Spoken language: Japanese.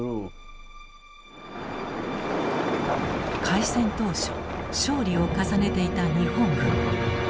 開戦当初勝利を重ねていた日本軍。